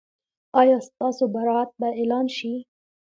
ایا ستاسو برات به اعلان شي؟